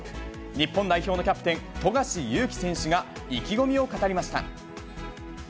日本代表のキャプテン、富樫勇樹選手が、意気込みを語りました。